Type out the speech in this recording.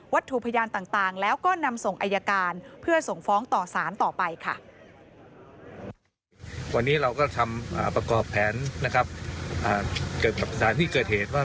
ถูกพยานต่างแล้วก็นำส่งอายการเพื่อส่งฟ้องต่อสารต่อไปค่ะ